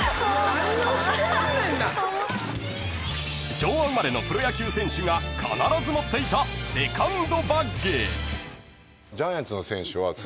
［昭和生まれのプロ野球選手が必ず持っていたセカンドバッグ］